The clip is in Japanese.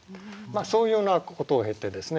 そういうようなことを経てですね